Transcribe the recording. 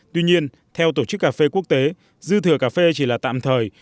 tuy nhiên theo tổ chức cà phê quốc tế dư thừa cà phê chỉ là tạm thời